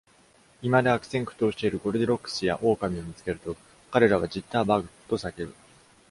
居間で悪戦苦闘しているゴルディロックスやオオカミを見つけると、彼らは「ジッターバグ」と叫ぶ。